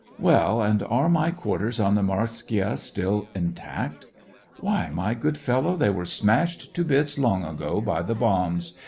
" Well, and are my quarters on the Morskaya still intact.?" Why, my good fellow, they were smashed to bits long ago by the bombs.